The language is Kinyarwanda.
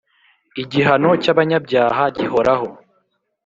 Igihano cy’abanyabyaha gihoraho